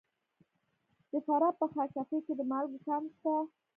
د فراه په خاک سفید کې د مالګې کان شته.